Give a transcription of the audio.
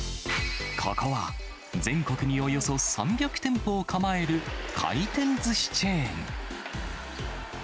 ここは、全国におよそ３００店舗を構える回転ずしチェーン。